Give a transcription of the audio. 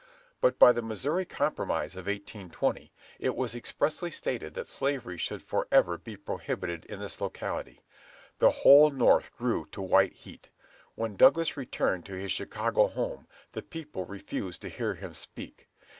But by the Missouri Compromise of 1820, it was expressly stated that slavery should be forever prohibited in this locality. The whole North grew to white heat. When Douglas returned to his Chicago home the people refused to hear him speak.